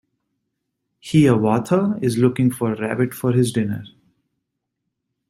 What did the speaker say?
Hiawatha is looking for a rabbit for his dinner.